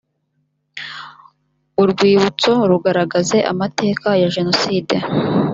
urwibutso rugaragaze amateka ya jenoside